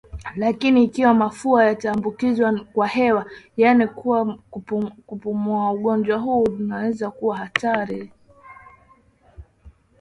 Lakini ikiwa mafua yataambukizwa kwa hewa yaani kwa kupumua ugonjwa huu unaweza kuwa hatari